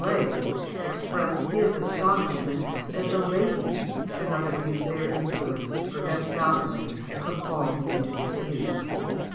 ] Elzéar Blaze expressed his astonishment that the ladies should not have used their influence to prevent falconry from falling into disuse.